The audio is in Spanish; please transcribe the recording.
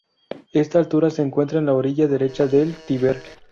Esta altura se encuentra en la orilla derecha del Tíber.